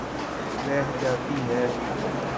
رہ جاتی ہے۔